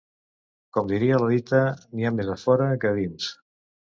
Com diria la dita “ n’hi ha més a fora que a dins”.